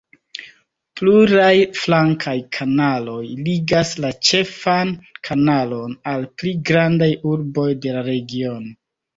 Pluraj flankaj kanaloj ligas la ĉefan kanalon al pli grandaj urboj de la regiono.